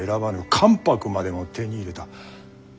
関白までも手に入れた。